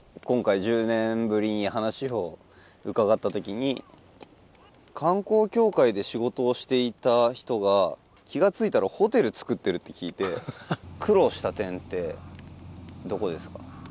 今回１０年ぶりに話を伺ったときに観光協会で仕事をしていた人が気がついたらホテルつくってるって聞いて苦労した点ってどこですか？